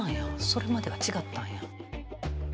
それまでは違ったんや。